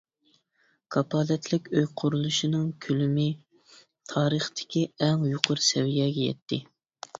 كاپالەتلىك ئۆي قۇرۇلۇشىنىڭ كۆلىمى تارىختىكى ئەڭ يۇقىرى سەۋىيەگە يەتتى.